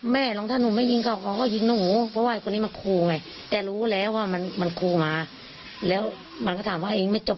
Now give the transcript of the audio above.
เป็นคู่อรีกกันหรือยังไง